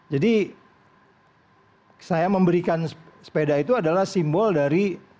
jadi saya memberikan sepeda itu adalah simbol dari